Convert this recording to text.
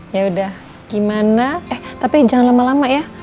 yaudah gimana eh tapi jangan lama lama ya